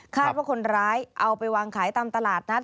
ว่าคนร้ายเอาไปวางขายตามตลาดนัด